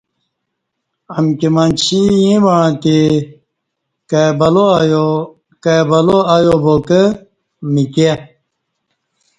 امکی منچی ییں وعݩتی کائ بلا ایا با کہ مکیہ